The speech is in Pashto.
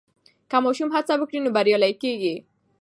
که ماشوم هڅه وکړي نو بریالی کېږي.